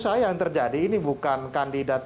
saya yang terjadi ini bukan kandidat